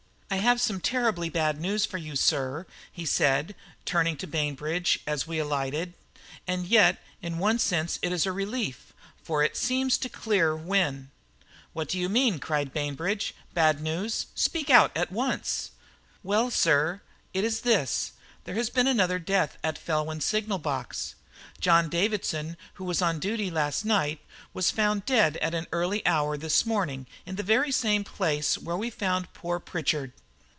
"I have some terribly bad news for you, sir," he said, turning to Bainbridge as we alighted; "and yet in one sense it is a relief, for it seems to clear Wynne." "What do you mean?" cried Bainbridge. "Bad news? Speak out at once!" "Well, sir, it is this: there has been another death at Felwyn signal box. John Davidson, who was on duty last night, was found dead at an early hour this morning in the very same place where we found poor Pritchard."